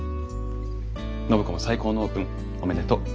暢子も最高のオープンおめでとう。